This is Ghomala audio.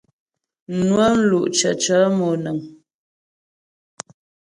Nwə́ mlú' cəcə̂ mònə̀ŋ.